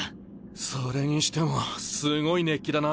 それにしてもすごい熱気だな。